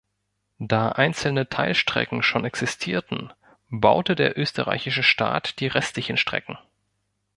Da einzelne Teilstrecken schon existierten, baute der österreichische Staat die restlichen Strecken.